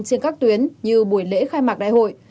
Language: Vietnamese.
trên các tuyến như buổi lễ khai mạc đại hội